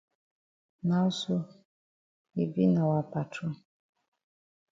Now sl yi be na wa patron.